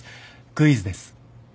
クイズです。